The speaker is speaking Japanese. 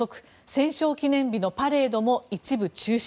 戦勝記念日のパレードも一部中止。